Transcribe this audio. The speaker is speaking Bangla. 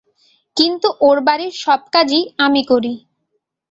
কিন্তু ওর বাড়ির সব কাজই আমি করি।